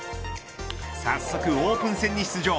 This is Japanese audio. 早速オープン戦に出場。